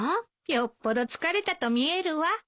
よっぽど疲れたと見えるわ。